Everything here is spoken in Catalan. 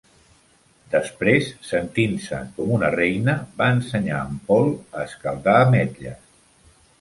Després, sentint-se com una reina, va ensenyar en Paul a escaldar ametlles.